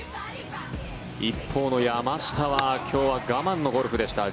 一方の山下は今日は我慢のゴルフでした。